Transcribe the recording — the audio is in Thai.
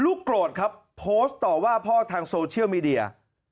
โกรธครับโพสต์ต่อว่าพ่อทางโซเชียลมีเดีย